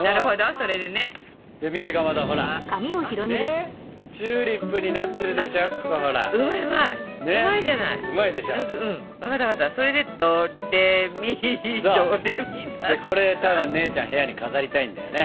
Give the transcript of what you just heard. そうでこれただ姉ちゃん部屋に飾りたいんだよね。